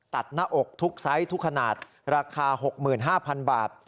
หน้าอกทุกไซส์ทุกขนาดราคา๖๕๐๐๐บาท